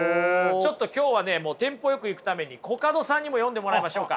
ちょっと今日はねもうテンポよくいくためにコカドさんにも読んでもらいましょうか。